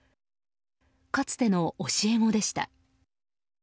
かつての教え子でした。